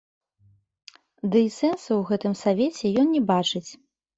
Ды й сэнсу ў гэтым савеце ён не бачыць.